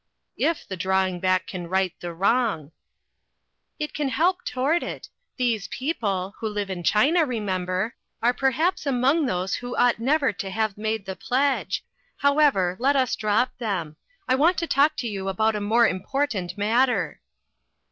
" If the drawing back can right the wrong." " It can help toward it. These people who live in China, remember are perhaps among those who ought never to have made the pledge. However, let us drop them. I want to talk to you about a more import ant matter."